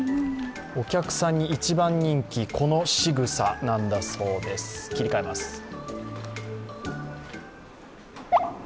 お客さんに一番人気、このしぐさなんだそうです。